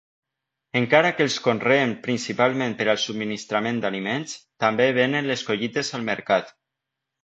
Encara que els conreen principalment per al subministrament d'aliments, també venen les collites al mercat.